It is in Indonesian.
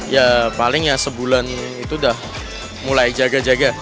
ya paling ya sebulan itu udah mulai jaga jaga